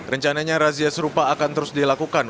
rencananya razia serupa akan terus dilakukan